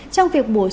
trong việc buôn bán